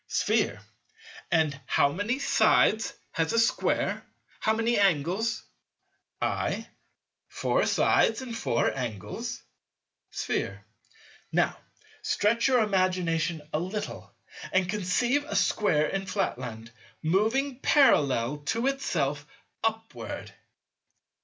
Sphere. And how many sides has a Square? How many angles? I. Four sides and four angles. Sphere. Now stretch your imagination a little, and conceive a Square in Flatland, moving parallel to itself upward.